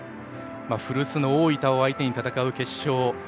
古巣の大分を相手に戦う決勝。